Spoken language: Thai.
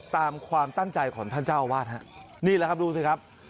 ตามความตั้งใจของท่านเจ้าอาวาสฮะนี่แหละครับดูสิครับ